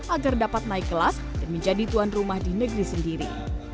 agar dapat naik kelas dan menjadi tuan rumah di negeri sendiri